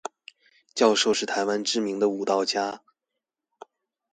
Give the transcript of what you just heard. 教授是臺灣知名的舞蹈家